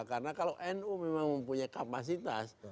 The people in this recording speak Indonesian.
karena kalau nu memang mempunyai kapasitas